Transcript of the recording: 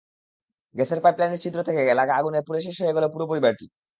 গ্যাসের পাইপলাইনের ছিদ্র থেকে লাগা আগুনে পুড়ে শেষ হয়ে গেল পুরো পরিবারটি।